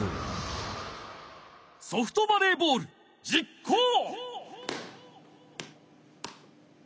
ソフトバレーボールじっこう！